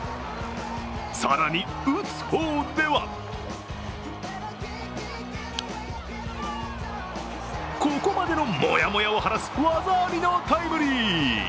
更に、打つ方ではここまでのもやもやを晴らす技ありのタイムリー。